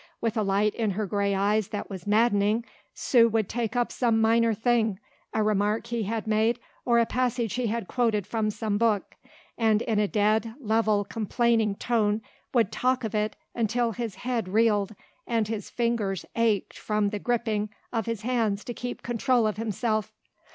With a light in her grey eyes that was maddening Sue would take up some minor thing, a remark he had made or a passage he had quoted from some book, and in a dead, level, complaining tone would talk of it until his head reeled and his fingers ached from the gripping of his hands to keep control of himself.